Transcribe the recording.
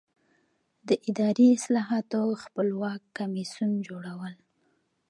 د اداري اصلاحاتو خپلواک کمیسیون جوړول.